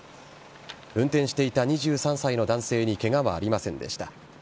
運転していた２３歳の男性にケガはありませんでした。